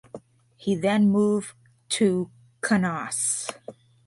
He then moved to Kaunas.